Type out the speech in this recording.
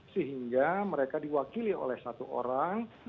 sehingga mereka diwakili oleh satu orang